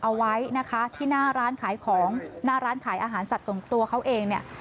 เอาไว้นะคะที่หน้าร้านขายของหน้าร้านขายอาหารสัตว์ตรงตัวเขาเองเนี่ย